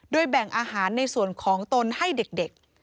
แบ่งอาหารในส่วนของตนให้เด็ก